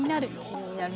気になる。